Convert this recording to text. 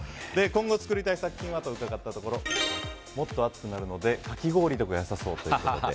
今後作りたい作品は？と伺ったところもっと暑くなるのでかき氷とかよさそうということで。